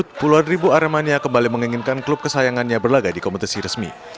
setelah pembekuan pssi dicabut puluhan ribu aremania kembali menginginkan klub kesayangannya berlaga di kompetisi resmi